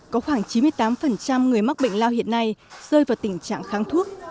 có khoảng chín mươi tám người mắc bệnh lao hiện nay rơi vào tình trạng kháng thuốc